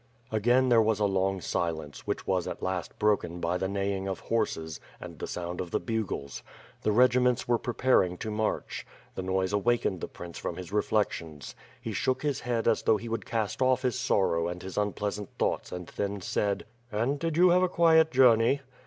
Again, there was a long silence, which was at last broken by the neighing of horses, and the sound of the bugles. The regiments were preparing to march. The noise awakened the prince from his reflections. He shook his head as though he would cast off his sorrow and his unpleasant thoughts and then said: "And did you have a quiet journey?"